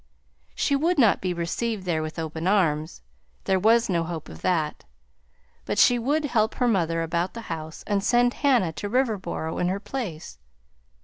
She would not be received there with open arms, there was no hope of that, but she would help her mother about the house and send Hannah to Riverboro in her place.